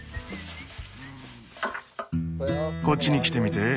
こっちに来てみて。